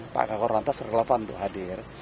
pak kakor lantas relevan untuk hadir